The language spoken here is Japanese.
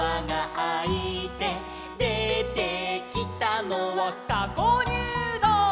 「でてきたのは」「たこにゅうどう」